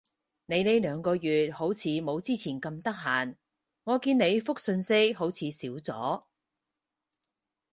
你呢兩個月好似冇之前咁得閒？我見你覆訊息好似少咗